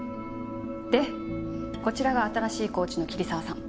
でこちらが新しいコーチの桐沢さん。